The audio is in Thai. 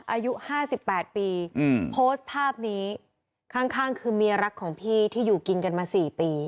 อายุ๕๘ปีโพสต์ภาพนี้ข้างคือเมียรักของพี่ที่อยู่กินกันมา๔ปี